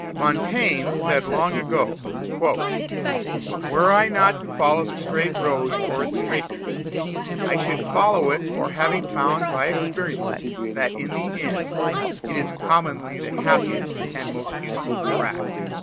Montaigne said long ago: "Were I not to follow the straight road for its straightness, I should follow it for having found by experience that in the end it is commonly the happiest and most useful track."